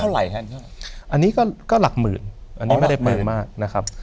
เท่าไหร่ใช่ไหมอันนี้ก็หลักหมื่นอันนี้ไม่ได้เป็นมากนะครับ